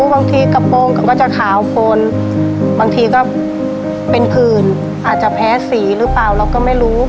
กระโปรงก็จะขาวโคนบางทีก็เป็นผื่นอาจจะแพ้สีหรือเปล่าเราก็ไม่รู้